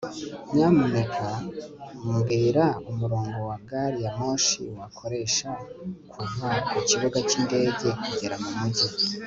nyamuneka mbwira umurongo wa gari ya moshi wakoresha kuva ku kibuga cyindege kugera mu mujyi